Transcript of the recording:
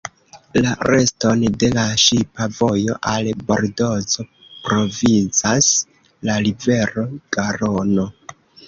La reston de la ŝipa vojo al Bordozo provizas la rivero Garono.